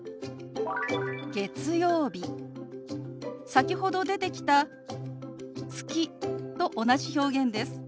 先ほど出てきた「月」と同じ表現です。